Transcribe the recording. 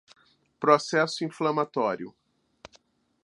Processo inflamatório